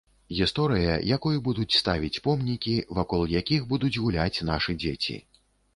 Гісторыя, якой будуць ставіць помнікі, вакол якіх будуць гуляць нашы дзеці.